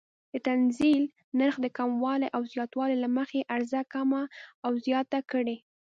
د تنزیل نرخ د کموالي او زیاتوالي له مخې عرضه کمه او زیاته کړي.